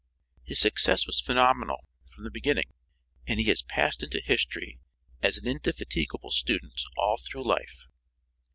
His success was phenomenal from the beginning, and he has passed into history as an indefatigable student all through life.